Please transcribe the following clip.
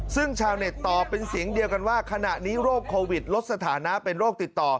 ซึ่งชาวเน็ตตอบเป็นเสียงเดียวกันว่าขณะนี้โรคโควิดลดสถานะเป็นโรคติดต่อ